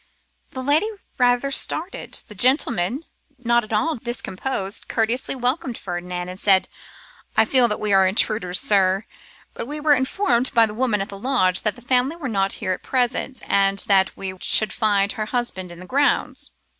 The lady rather started; the gentleman, not at all discomposed, courteously welcomed Ferdinand, and said, 'I feel that we are intruders, sir. But we were informed by the woman at the lodge that the family were not here at present, and that we should find her husband in the grounds.